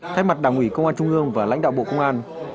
thái mặt đảng ủy công an trung ương và lãnh đạo bộ công an trung ương